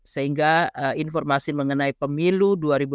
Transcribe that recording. sehingga informasi mengenai pemilu dua ribu dua puluh